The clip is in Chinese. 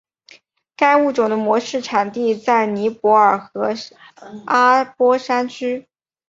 该物种的模式产地在尼泊尔和阿波山区。